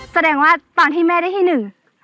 แสดงว่าตอนที่แม่ได้ที่หนึ่ง